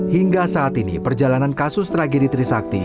hingga saat ini perjalanan kasus tragedi trisakti